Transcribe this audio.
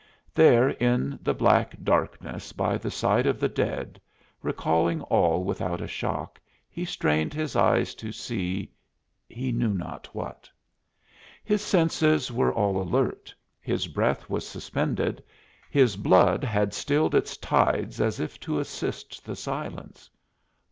There in the black darkness by the side of the dead, recalling all without a shock, he strained his eyes to see he knew not what. His senses were all alert, his breath was suspended, his blood had stilled its tides as if to assist the silence.